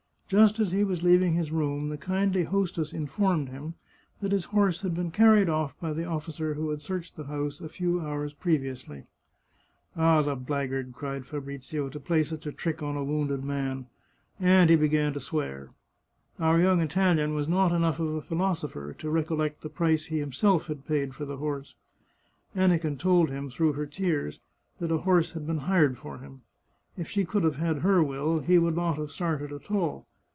Just as he was leaving his room the kindly hostess informed him that his horse had been carried off by the officer who had searched the house a few hours previously. " Ah, the blackguard !" cried Fabrizio, " to play such a trick on a wounded man !" and he began to swear. Our young Italian was not enough of a philosopher to recollect the price he himself had paid for the horse. Aniken told him, through her tears, that a horse had been hired for him. If she could have had her will he would not have started at all.